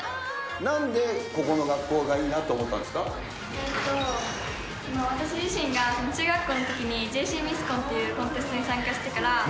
なんでここの学校がいいなと私自身が、中学校のときに、ＪＣミスコンっていうコンテストに参加してから。